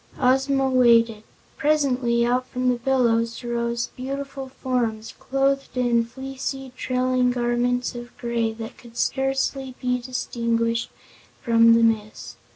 Ozma waited. Presently out from the billows rose beautiful forms, clothed in fleecy, trailing garments of gray that could scarcely be distinguished from the mist.